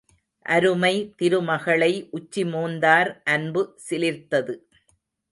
அருமை திருமகளை உச்சி மோந்தார், அன்பு சிலிர்த்தது!